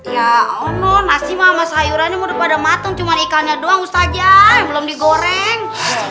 ya ono nasi sama sayurannya mudah pada mateng cuma ikannya doang ustadz aja belum digoreng